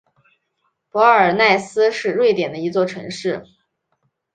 博尔奈斯是瑞典的一座城市。